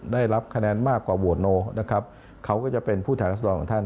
ได้รับคะแนนมากกว่าโหวตโนนะครับเขาก็จะเป็นผู้แทนรัศดรของท่าน